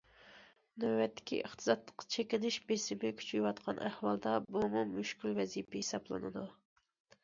نۆۋەتتىكى ئىقتىسادنىڭ چېكىنىش بېسىمى كۈچىيىۋاتقان ئەھۋالدا، بۇمۇ مۈشكۈل ۋەزىپە ھېسابلىنىدۇ.